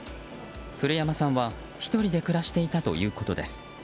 古山さんは１人で暮らしていたということです。